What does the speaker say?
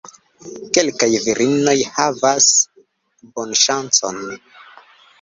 Kelkaj virinoj havas bonŝancon.